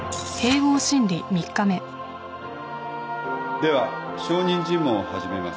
では証人尋問を始めます。